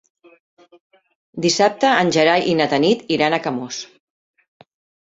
Dissabte en Gerai i na Tanit iran a Camós.